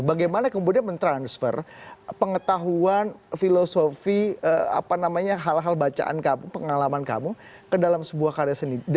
bagaimana kemudian mentransfer pengetahuan filosofi apa namanya hal hal bacaan kamu pengalaman kamu ke dalam sebuah karya seni